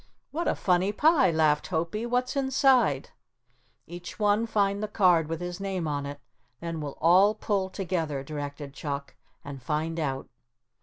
"What a funny pie," laughed Hopie. "What's inside?" "Each one find the card with his name on it. Then we'll all pull together," directed Chuck, "and find out."